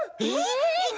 えっ？